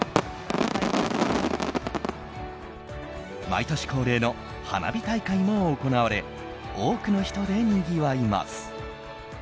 毎年恒例の花火大会も行われ多くの人でにぎわいます。